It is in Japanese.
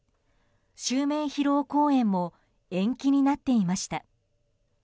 襲名披露公演も延期になっていました。